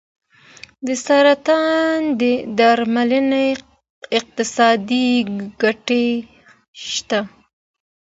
د سرطان درملنې اقتصادي ګټې شته.